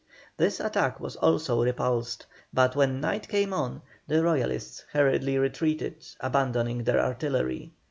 This attack was also repulsed, but when night came on the Royalists hurriedly retreated, abandoning their artillery.